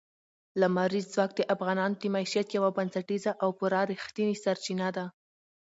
لمریز ځواک د افغانانو د معیشت یوه بنسټیزه او پوره رښتینې سرچینه ده.